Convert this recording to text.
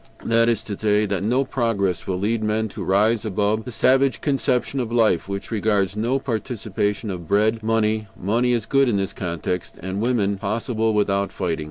That is to say that no progress will lead men to rise above the savage conception of life, which regards no participation of bread, money (money is good in this context) and woman possible without fighting.